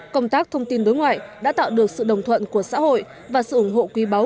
công tác thông tin đối ngoại đã tạo được sự đồng thuận của xã hội và sự ủng hộ quý báu